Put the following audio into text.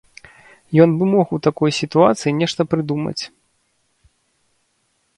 Ён бы мог у такой сітуацыі нешта прыдумаць.